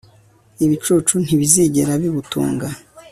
ibicucu ntibizigera bibutunga